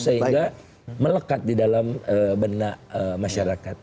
sehingga melekat di dalam benak masyarakat